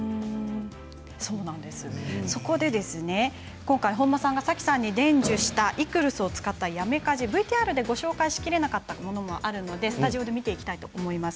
そこで本間さんがさきさんに伝授したＥＣＲＳを使ったやめ家事ＶＴＲでご紹介しきれなかったものがありますので見ていきたいと思います。